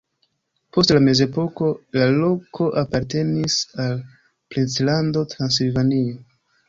Post la mezepoko la loko apartenis al princlando Transilvanio.